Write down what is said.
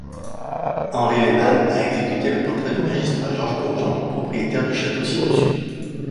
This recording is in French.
Henri Lehmann, a exécuté le portrait du magistrat Georges Bonjean, propriétaire du château ci-dessus.